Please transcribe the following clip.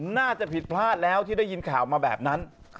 น่าจะผิดพลาดแล้วที่ได้ยินข่าวมาแบบนั้น